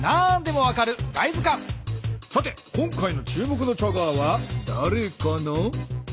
さて今回の注目のチャガーはだれかな？